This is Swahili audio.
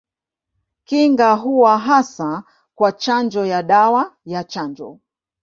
Kinga huwa hasa kwa chanjo ya dawa ya chanjo.